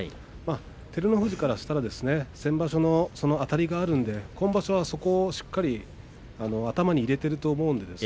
照ノ富士からすると先場所のそのあたりがあるんで今場所はそこをしっかりと頭に入れていると思うんです。